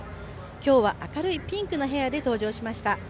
今日は明るいピンクのヘアで登場しました。